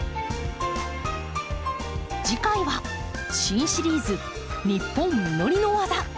次回は新シリーズ「ニッポン実りのわざ」。